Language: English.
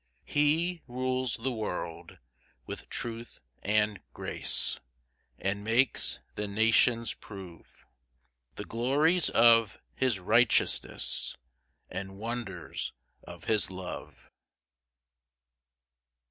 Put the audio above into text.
4 He rules the world with truth and grace, And makes the nations prove The glories of his righteousness, And wonders of his love.